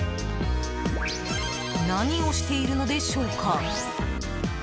何をしているのでしょうか？